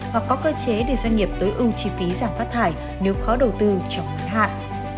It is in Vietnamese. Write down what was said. hoặc có cơ chế để doanh nghiệp tối ưu chi phí giảm phát thải nếu khó đầu tư trong ngắn hạn